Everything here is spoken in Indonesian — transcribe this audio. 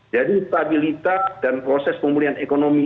jadi stabilitas dan proses pemulihan ekonomi